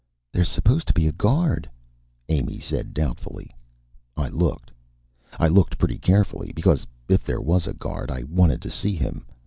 "There's supposed to be a guard," Amy said doubtfully. I looked. I looked pretty carefully, because if there was a guard, I wanted to see him.